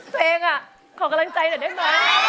ตัวเองอ่ะขอกำลังใจหน่อยด้วยหน่อย